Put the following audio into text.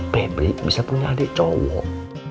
publik bisa punya adik cowok